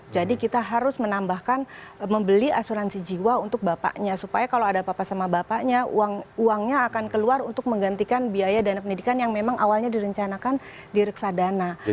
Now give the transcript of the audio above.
jadi kita harus menambahkan membeli asuransi jiwa untuk bapaknya supaya kalau ada apa apa sama bapaknya uangnya akan keluar untuk menggantikan biaya dana pendidikan yang memang awalnya direncanakan di reksadana